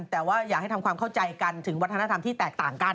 แต่ว่าอยากให้ทำความเข้าใจกันถึงวัฒนธรรมที่แตกต่างกัน